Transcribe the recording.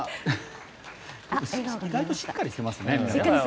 だいぶしっかりしていますね。